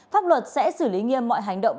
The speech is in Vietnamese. pháp luật sẽ xử lý nghiêm mọi hành động